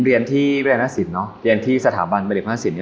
ผมเรียนที่บริหารณะศิลป์เรียนที่สถาบันผลิตภาษี